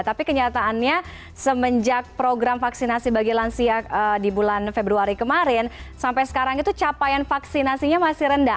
tapi kenyataannya semenjak program vaksinasi bagi lansia di bulan februari kemarin sampai sekarang itu capaian vaksinasinya masih rendah